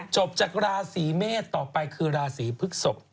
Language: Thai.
จบจากราศีเมษต่อไปคือราศีพฤกษก